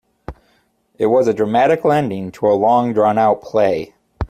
It was a dramatical ending to a long drawn out play.